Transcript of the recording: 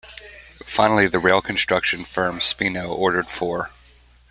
Finally, the rail construction firm Speno ordered four.